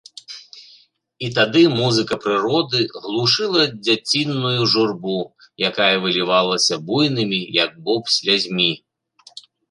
І тады музыка прыроды глушыла дзяціную журбу, якая вылівалася буйнымі, як боб, слязьмі.